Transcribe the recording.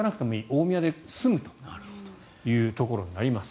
大宮で済むというところになります。